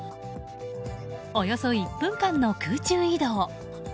およそ１分間の空中移動。